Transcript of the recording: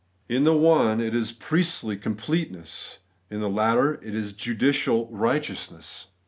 In the one it is priestly completeness ; in the latter it is judicial righteousness.